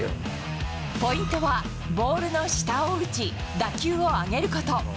ポイントは、ボールの下を打ち、打球を上げること。